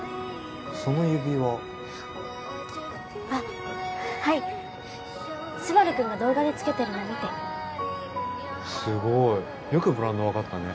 その指輪あっはいスバルくんが動画で着けてるの見てすごいよくブランド分かったね